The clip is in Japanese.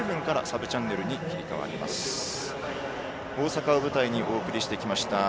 大阪を舞台にお送りしてきました